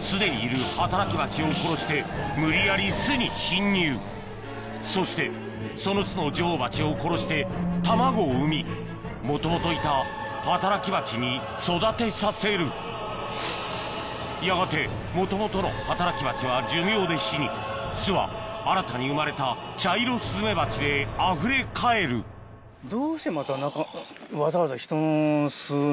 すでにいる働き蜂を殺して無理やり巣に侵入そしてその巣の女王蜂を殺して卵を産みもともといた働き蜂に育てさせるやがてもともとの働き蜂は寿命で死に巣は新たに生まれたチャイロスズメバチであふれ返るどうしてまたわざわざ。